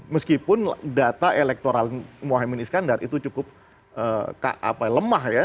meskipun data elektoral mohaimin iskandar itu cukup lemah ya